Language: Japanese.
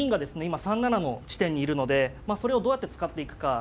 今３七の地点にいるのでまあそれをどうやって使っていくか。